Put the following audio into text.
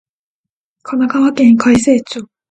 神奈川県開成町